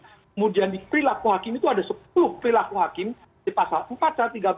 kemudian di perilaku hakim itu ada sepuluh perilaku hakim di pasal empat dan tiga puluh